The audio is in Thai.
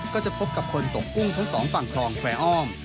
ก็จะพบกับคนตกกุ้งทั้งสองฝั่งคลองแควร์อ้อม